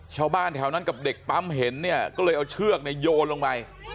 ชาวบ้านแถวนั้นกับเด็กปั๊มเห็นเนี่ยก็เลยเอาเชือกเนี่ยโยนลงไป